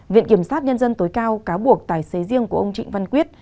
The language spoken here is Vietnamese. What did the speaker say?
viện kiểm sát nhân dân tối cao cáo buộc tài xế riêng của ông trịnh văn quyết